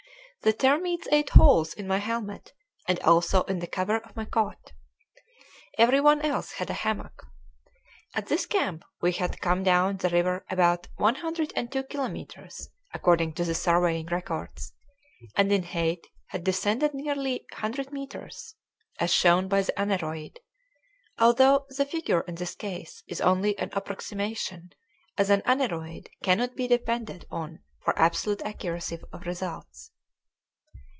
The termites ate holes in my helmet and also in the cover of my cot. Every one else had a hammock. At this camp we had come down the river about 102 kilometres, according to the surveying records, and in height had descended nearly 100 metres, as shown by the aneroid although the figure in this case is only an approximation, as an aneroid cannot be depended on for absolute accuracy of results.